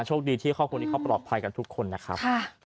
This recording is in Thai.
โชคดีที่ครอบครัวนี้เขาปลอดภัยกันทุกคนนะครับ